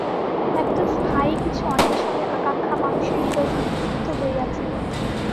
একটা স্থায়ী কিছু অন্বেষণের আকাঙ্ক্ষা মানুষের হৃদয়ে উদ্বুদ্ধ হইয়াছিল।